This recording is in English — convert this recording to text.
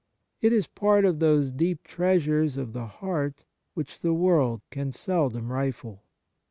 It is part of those deep treasures of the heart which the world can seldom rifle.